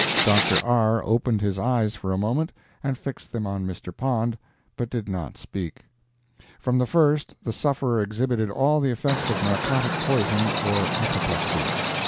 Dr. R. opened his eyes for a moment, and fixed them on Mr. Pond, but did not speak. From the first the sufferer exhibited all the effects of narcotic poison or apoplexy.